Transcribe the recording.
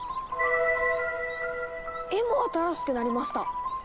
絵も新しくなりました！